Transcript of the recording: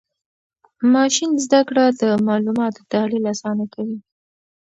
ماشین زده کړه د معلوماتو تحلیل آسانه کوي.